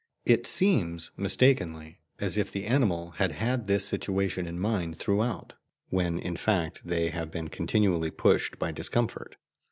It SEEMS, mistakenly, as if the animals had had this situation in mind throughout, when in fact they have been continually pushed by discomfort.